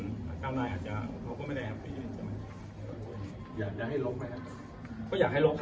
การทำนายอาจจะเราก็ไม่ได้อยากจะให้ลบไหมฮะ